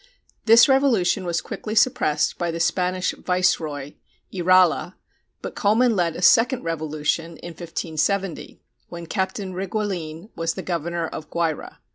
This revolution was quickly suppressed by the Spanish viceroy, Yrala, but Colman led a second revolution in 1570, when Captain Rigueline was governor of Guayra.